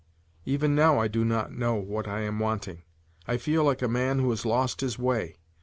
Even now I do not know what I am wanting. I feel like a man who has lost his way.